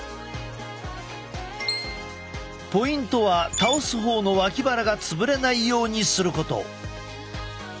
ポイントは倒す方の脇腹が潰れないようにすること。